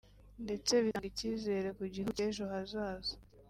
ndetse bitanga ikizere ku gihugu cy’ejo hazaza